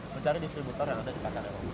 mencari distributor yang sudah dikatakan eropa